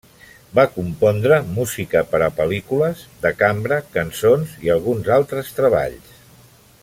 Va compondre música per a pel·lícules, de cambra, cançons i alguns altres treballs.